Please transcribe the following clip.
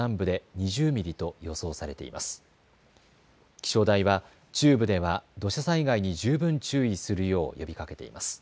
気象台は中部では土砂災害に十分注意するよう呼びかけています。